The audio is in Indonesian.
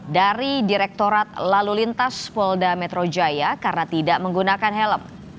dari direktorat lalu lintas polda metro jaya karena tidak menggunakan helm